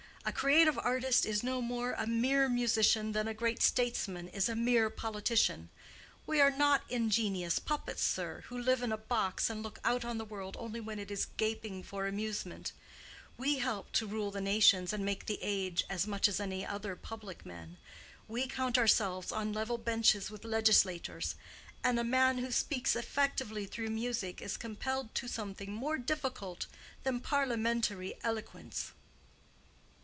A creative artist is no more a mere musician than a great statesman is a mere politician. We are not ingenious puppets, sir, who live in a box and look out on the world only when it is gaping for amusement. We help to rule the nations and make the age as much as any other public men. We count ourselves on level benches with legislators. And a man who speaks effectively through music is compelled to something more difficult than parliamentary eloquence."